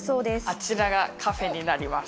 あちらがカフェになります